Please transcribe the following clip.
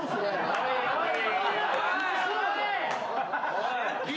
おい。